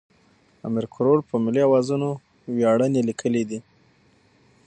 امیر کروړ په ملي اوزانو ویاړنې لیکلې دي.